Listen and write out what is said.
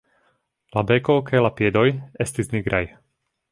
La beko kaj la piedoj estis nigraj.